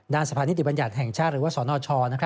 สภานิติบัญญัติแห่งชาติหรือว่าสนช